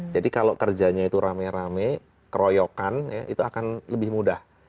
jadi kalau kerjanya itu rame rame keroyokan itu akan lebih mudah